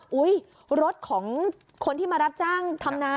รถของคนที่มารับจ้างทำนา